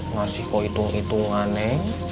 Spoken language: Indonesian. ngasih kok hitung hitungan neng